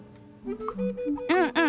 うんうん！